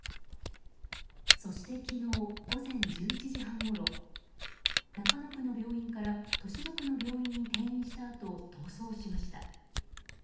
そして昨日、午前１１時半ごろ中野区の病院から豊島区の病院に転院したあと逃走しました。